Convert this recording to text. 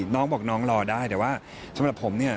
น้องบอกน้องรอได้แต่ว่าสำหรับผมเนี่ย